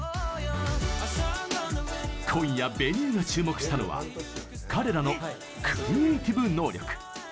今夜「Ｖｅｎｕｅ」が注目したのは彼らのクリエイティブ能力。